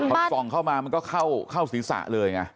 พอส่องเข้ามามันก็เข้าศีรษะเลยไง